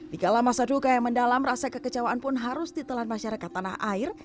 di kalam masa duka yang mendalam rasa kekecewaan pun harus ditelan masyarakat tanah air